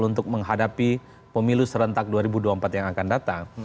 untuk menghadapi pemilu serentak dua ribu dua puluh empat yang akan datang